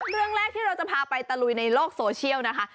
เรื่องแรกที่เราจะพาไปตะลุยในโลกโซเชียลนะคะ